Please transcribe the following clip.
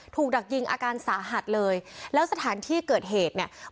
ดักยิงอาการสาหัสเลยแล้วสถานที่เกิดเหตุเนี่ย